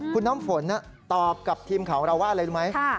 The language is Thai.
คุณน้ำฝนตอบกับทีมข่าวเราว่าอะไรรู้ไหม